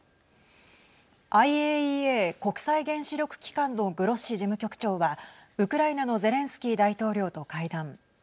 ＩＡＥＡ＝国際原子力機関のグロッシ事務局長はウクライナのゼレンスキー大統領と会談。